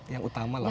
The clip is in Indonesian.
yang utama lah ya